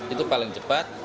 itu paling cepat